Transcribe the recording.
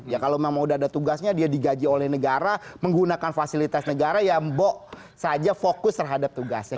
ya kalau memang sudah ada tugasnya dia digaji oleh negara menggunakan fasilitas negara ya mbok saja fokus terhadap tugasnya